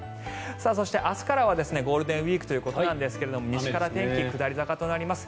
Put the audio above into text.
そして、明日からはゴールデンウィークということですが西から天気、下り坂となります。